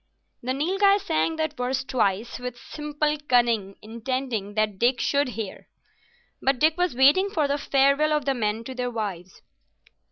The Nilghai sang that verse twice, with simple cunning, intending that Dick should hear. But Dick was waiting for the farewell of the men to their wives.